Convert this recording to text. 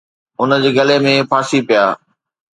هن جي ڳلي ۾ ڦاسي پيا.